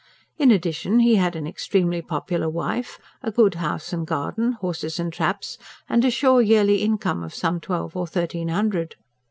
In addition, he had an extremely popular wife, a good house and garden, horses and traps, and a sure yearly income of some twelve or thirteen hundred.